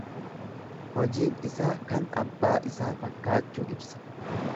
Hojiin isaa kan abbaa isaa fakkaachuu ibsa.